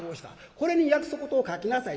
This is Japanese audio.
これに約束事を書きなさい